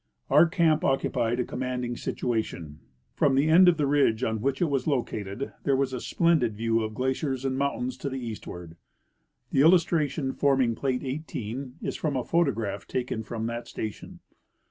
Our camp occupied a commanding situation. From the end of the ridge on which it was located there was a splendid view of glaciers and mountains to the eastward. The illustration forming plate 18 is from a photograph taken from that station.